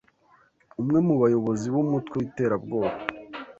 umwe mu bayobozi b’umutwe w’iterabwoba